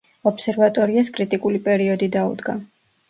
ობსერვატორიას კრიტიკული პერიოდი დაუდგა.